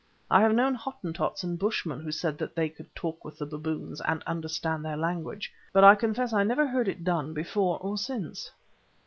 I have known Hottentots and Bushmen who said that they could talk with the baboons and understand their language, but I confess I never heard it done before or since.